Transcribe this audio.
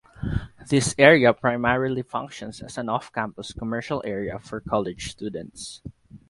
This area primarily functions as an off-campus commercial area for college students.